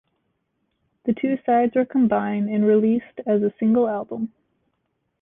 The two sides were combined and released as a single album.